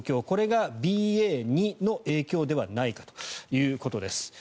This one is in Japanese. これがＢＡ．２の影響ではないかということです。